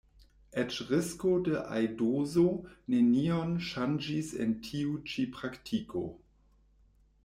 Eĉ risko de aidoso nenion ŝanĝis en tiu ĉi praktiko.